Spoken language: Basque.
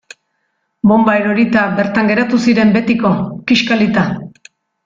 Bonba erori eta bertan geratu ziren betiko, kiskalita.